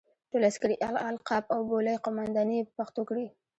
ټول عسکري القاب او بولۍ قوماندې یې په پښتو کړې.